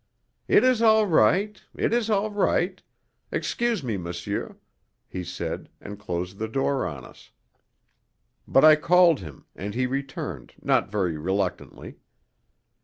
"It is all right, it is all right; excuse me, monsieur," he said, and closed the door on us. But I called him, and he returned, not very reluctantly.